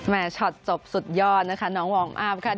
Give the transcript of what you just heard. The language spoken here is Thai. ช็อตจบสุดยอดนะคะน้องวอร์มอัพค่ะ